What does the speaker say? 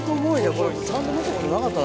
これちゃんと持ったことなかったな。